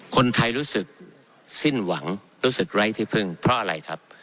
คนไทยรู้สึกสิ้นหวังรู้สึกไร้ที่พึ่งเพราะอะไรครับ